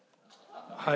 はい。